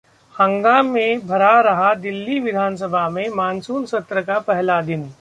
हंगामे भरा रहा दिल्ली विधानसभा में मानसून सत्र का पहला दिन